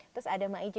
terus ada ma'ici